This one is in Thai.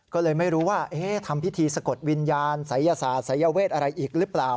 ก็เลยไม่รู้ว่าทำพิธีสะกดวิญญาณศัยศาสตร์ศัยเวทอะไรอีกหรือเปล่า